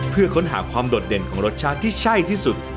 เพื่อค้นหาความโดดเด่นของรสชาติที่ใช่ที่สุด